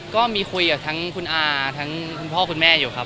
ก็คุยกับคุณอาพ่อคุณแม่อยู่ครับ